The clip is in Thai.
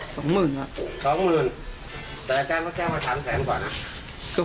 สองหมื่นสองหมื่นแต่แกก็แก้วมาถามแสนก่อนนะ